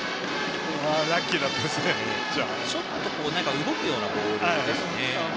ちょっと動くようなボールですね。